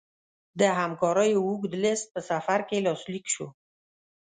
د همکاریو اوږد لېست په سفر کې لاسلیک شو.